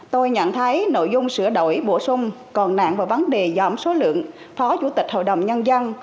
tôi nhận thấy nội dung sửa đổi bổ sung còn nạn vào vấn đề giảm số lượng phó chủ tịch hội đồng nhân dân